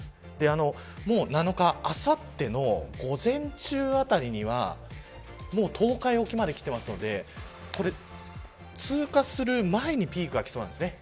もう７日あさっての午前中あたりにはもう、東海沖まで来てますので通過する前にピークが来そうなんですね。